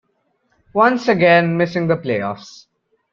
Once again, missing the playoffs.